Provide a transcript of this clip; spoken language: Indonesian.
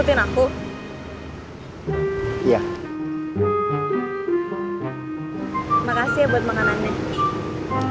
terima kasih ya buat makanannya